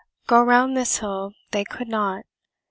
Go around this hill they could not.